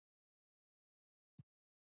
له مسیر څخه د اوښتو مخنیوی دی.